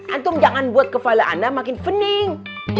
antung jangan buat kepala anda makin pening